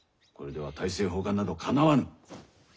これでは大政奉還などかなわぬ。